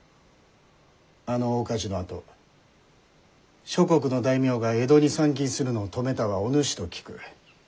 あの大火事のあと諸国の大名が江戸に参勤するのを止めたはお主と聞く。